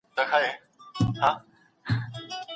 ډاکټر کولای سي زموږ پاڼه وړاندي کړي.